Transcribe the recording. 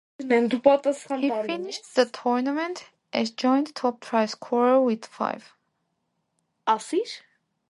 He finished the tournament as joint top try scorer with five.